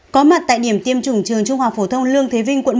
có mặt tại điểm tiêm trùng trường trung học phổ thông lương thế vinh quận một